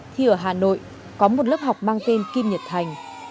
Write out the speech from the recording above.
thì ở hà nội có một lớp học mang tên kim nhật thành